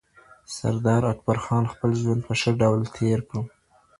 سردار اکبرخان خپل ژوند په ښه ډول تېر کړ